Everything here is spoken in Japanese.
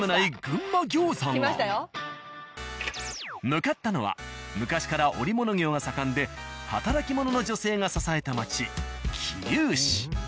向かったのは昔から織物業が盛んで働き者の女性が支えた町桐生市。